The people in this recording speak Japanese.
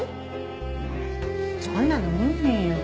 そんなの無理よ。